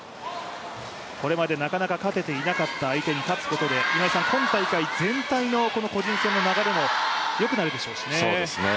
これまでなかなか勝てていなかった相手に勝つことで、今大会、全体の個人戦の流れも良くなるでしょうしね。